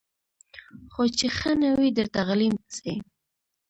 خو چي ښه نه وي درته غلیم سي